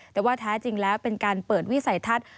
แต่ว่าแท้จริงแล้วเป็นการเปิดวิสัยทัศน์